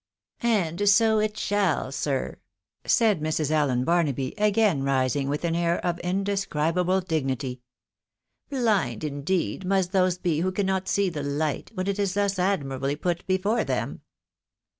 And so it shall, sie," said Llrs. Allen Barnaby, again rising, with an air of indescribable dignity. " Blind, indeed, must those be who cannot see the light, when it is thus admirably put before them